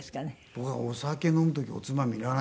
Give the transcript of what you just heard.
僕はお酒飲む時おつまみいらないんですよ。